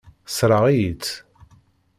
Tessṛeɣ-iyi-tt.